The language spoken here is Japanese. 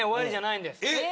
えっ？